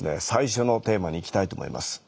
最初のテーマにいきたいと思います。